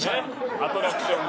アトラクションで。